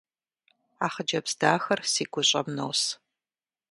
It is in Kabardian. А хъыджэбз дахэр си гущӏэм нос.